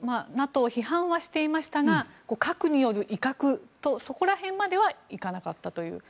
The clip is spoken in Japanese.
ＮＡＴＯ批判はしていましたが核による威嚇とそこら辺まではいかなかったという。